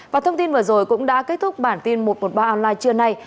và thông tin vừa rồi cũng đã kết thúc bản tin một trăm một mươi ba online trưa nay